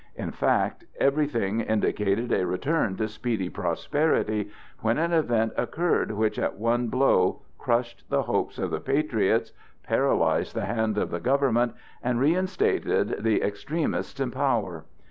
In fact, everything indicated a return of speedy prosperity, when an event occurred which at one blow crushed the hopes of the patriots, paralyzed the hand of the government, and reinstated the extremists in power.